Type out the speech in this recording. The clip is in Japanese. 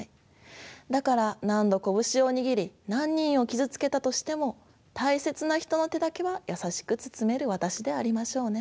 だから何度拳を握り何人を傷つけたとしても大切な人の手だけは優しく包める私でありましょうね。